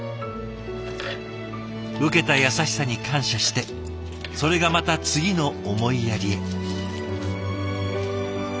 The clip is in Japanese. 受けた優しさに感謝してそれがまた次の思いやりへ。